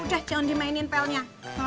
udah jangan dimainin pelnya